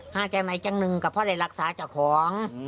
ห้าจานัยจังนึงเพราะลักษาจ้าของ